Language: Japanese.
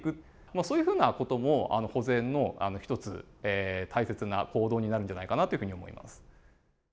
そういうふうな事も保全の一つ大切な行動になるんじゃないかなというふうに思います。